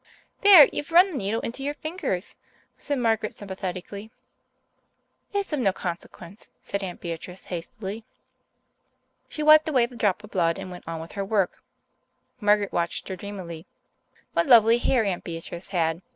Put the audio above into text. "There, you've run the needle into your finger," said Margaret sympathetically. "It's of no consequence," said Aunt Beatrice hastily. She wiped away the drop of blood and went on with her work. Margaret watched her dreamily. What lovely hair Aunt Beatrice had!